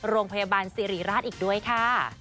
โรงพยาบาลสิริราชอีกด้วยค่ะ